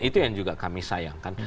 itu yang juga kami sayangkan